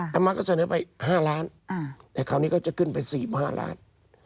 ต่อมาก็เสนอไป๕ล้านแต่คราวนี้ก็จะขึ้นไป๔๕ล้าน